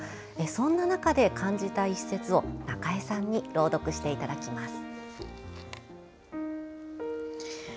そんな中で感じた一説を中江さんに朗読していただきます。